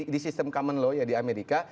di sistem common law ya di amerika